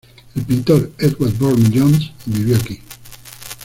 El pintor Edward Burne-Jones vivió aquí.